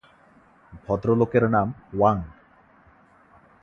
ভদ্রলোকের নাম ওয়াং।